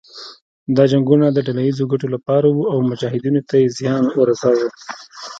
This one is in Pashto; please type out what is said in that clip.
دا جنګونه د ډله ييزو ګټو لپاره وو او مجاهدینو ته يې زیان ورساوه.